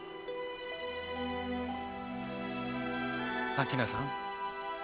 明菜さん。